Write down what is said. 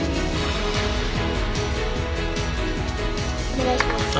お願いします。